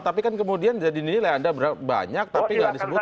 tapi kan kemudian jadi nilai anda banyak tapi nggak disebutkan